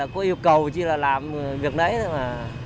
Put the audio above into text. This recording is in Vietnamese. có yêu cầu chỉ là làm việc đấy thôi mà